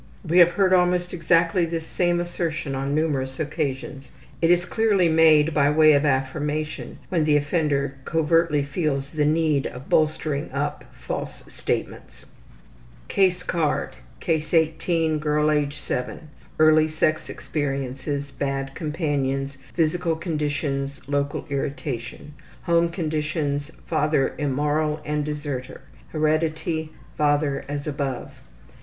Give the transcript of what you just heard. We have heard almost exactly this same assertion on numerous occasions. It is clearly made by way of affirmation when the offender covertly feels the need of bolstering up false statements. Early sex experiences. Case 18. Bad companions. Girl, age 7. Physical conditions: Local irritation. Home conditions: Father immoral and deserter. Heredity(?): Father as above.